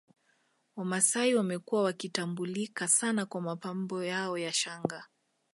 Wamasai wamekuwa wakitambulika sana kwa mapambo yao ya shanga